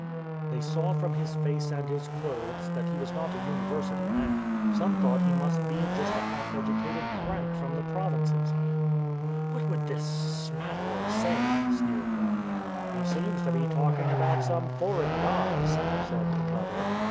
They saw from his face and his clothes that he was not a University man. Some thought he must be just a half educated crank from the provinces. " What would this ' smatterer ' say? " sneered one. " He seems to be talking about some foreign gods," said another.